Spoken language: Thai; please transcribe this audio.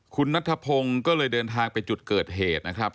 คุณนัทธพงศ์ก็เลยเดินทางไปจุดเกิดเหตุนะครับ